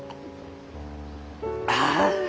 ああ！